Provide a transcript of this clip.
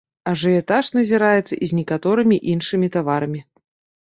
Ажыятаж назіраецца і з некаторымі іншымі таварамі.